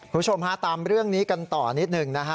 คุณผู้ชมฮะตามเรื่องนี้กันต่อนิดหนึ่งนะฮะ